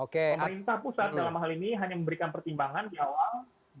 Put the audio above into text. pemerintah pusat dalam hal ini hanya memberikan pertimbangan di awal